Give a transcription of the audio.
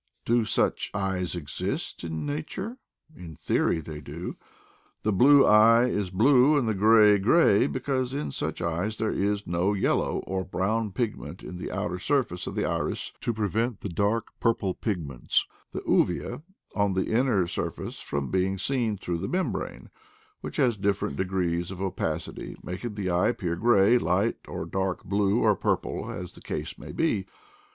Do such eyes exist in nature t In theory they do. The blue eye is blue, and the gray gray, because in such eyes there is no yellow or brown pigment on the outer surface of the iris to prevent the dark purple pig ment — the uvea — on the inner surface from being seen through the membrane, which has different degrees of opacity, making the eye appear gray, light or dark blue, or purple, as the case may be.